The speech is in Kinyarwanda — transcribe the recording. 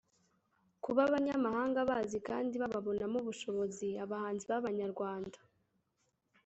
kuba abanyamahanga bazi kandi babonamo ubushobozi abahanzi b’abanyarwanda